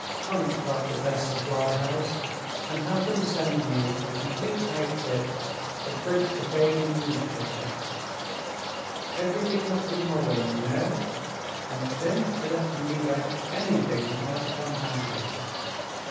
"Hunt up the best supply house and have them send me a complete outfit to print a daily newspaper. Everything must be modern, you know, and don't let them leave out anything that might come handy.